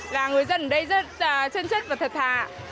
và người dân ở đây rất là chân chất và thật thà